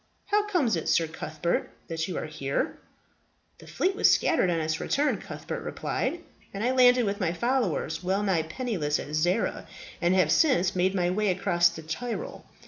How comes it, Sir Cuthbert, that you are here?" "The fleet was scattered on its return," Cuthbert replied, "and I landed with my followers, well nigh penniless, at Zara, and have since made my way across the Tyrol.